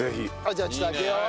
じゃあちょっと開けよう。